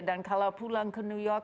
kalau pulang ke new york